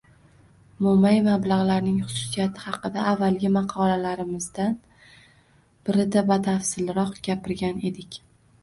Mo‘may mablag‘larning xususiyati haqida avvalgi maqolalarimizdan birida batafsilroq gapirgan edik.